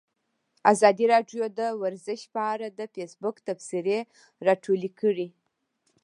ازادي راډیو د ورزش په اړه د فیسبوک تبصرې راټولې کړي.